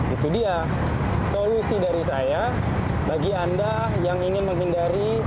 itu dia solusi dari saya bagi anda yang ingin menghindari